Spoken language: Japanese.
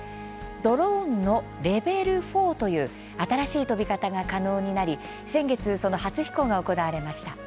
ドローンのレベル４という新しい飛び方が可能になり先月、その初飛行が行われました。